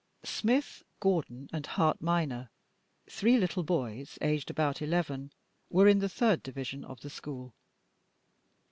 Smith, Gordon, and Hart minor, three little boys aged about eleven, were in the third division of the school.